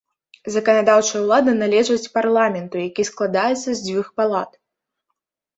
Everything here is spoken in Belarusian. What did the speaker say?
Заканадаўчая ўлада належыць парламенту, які складаецца з дзвюх палат.